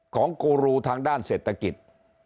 กูรูทางด้านเศรษฐกิจ